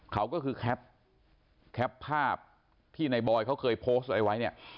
เขาก็คือแคปแคปภาพที่ในบอยเขาเคยโพสต์เอาไว้เนี่ย